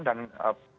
dan presiden sendiri aja